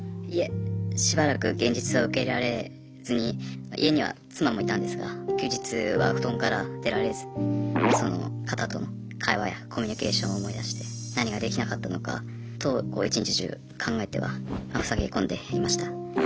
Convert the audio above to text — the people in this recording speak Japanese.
いえしばらく現実を受け入れられずに家には妻もいたんですが休日は布団から出られずその方との会話やコミュニケーションを思い出して何かできなかったのかと一日中考えては塞ぎ込んでいました。